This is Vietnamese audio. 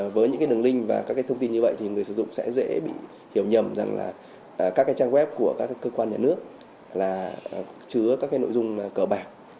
với những đường link và các thông tin như vậy thì người dùng sẽ dễ bị hiểu nhầm rằng là các trang web của các cơ quan nhà nước là chứa các nội dung cờ bạc